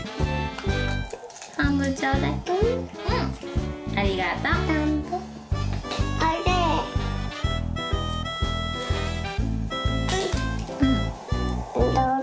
うんありがとう。どうぞ。